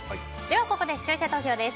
ここで視聴者投票です。